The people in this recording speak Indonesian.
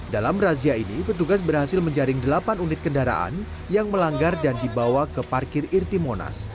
dalam razia ini petugas berhasil menjaring delapan unit kendaraan yang melanggar dan dibawa ke parkir irti monas